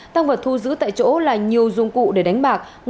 tăng vật thu giữ tại chỗ là nhiều dụng cụ để đánh bạc